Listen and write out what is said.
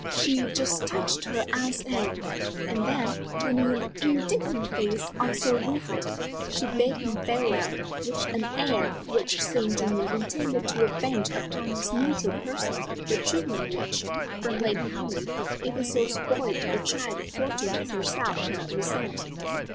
She just touched her aunt's hand, and then, turning an indignant face on Sir Wilfrid, she bade him farewell with an air which seemed to him intended to avenge upon his neutral person the treatment which, from Lady Henry, even so spoiled a child of fortune as herself could not resent.